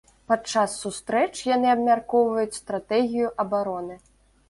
Падчас сустрэч яны абмяркоўваюць стратэгію абароны.